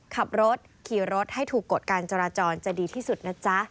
ขับรถขี่รถให้ถูกกฎการจราจรจะดีที่สุดนะจ๊ะ